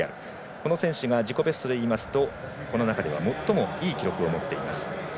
この選手が自己ベストでいうとこの中では最もいい記録を持っています。